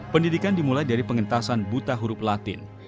pendidikan dimulai dari pengentasan buta huruf latin